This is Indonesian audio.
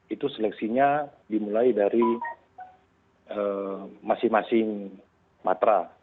itu seleksinya dimulai dari masing masing matra